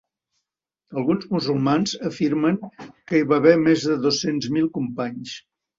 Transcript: Alguns musulmans afirmen que hi va haver més de dos-cents mil companys.